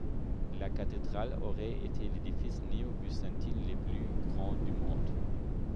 La cathédrale aurait été l'édifice néo-byzantin le plus grand du monde.